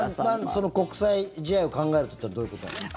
その国際試合を考えるとってどういうことなんですか。